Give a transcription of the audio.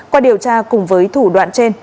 qua điều tra cùng với thủ đoạn trên